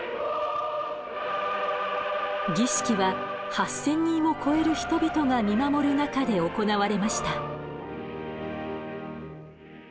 儀式は８，０００人を超える人々が見守る中で行われました。